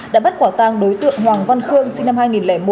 đã bắt quả tang đối tượng hoàng văn khương sinh năm hai nghìn một